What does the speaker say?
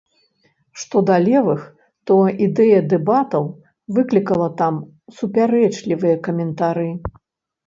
Што да левых, то ідэя дэбатаў выклікала там супярэчлівыя каментары.